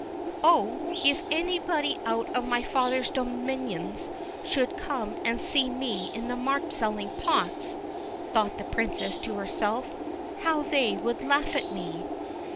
"Oh, if anybody out of my father's dominions should come and see me in the market selling pots," thought the princess to herself, "how they would laugh at me!"